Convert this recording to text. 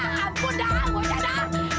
ampun dah ampun dah dah